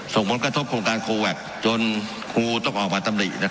ส่งผลกระทบโครงการโคแวคจนครูต้องออกมาตำหนิ